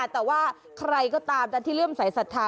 แต่ว่าใครก็ตามแต่ที่เริ่มสายศรัทธา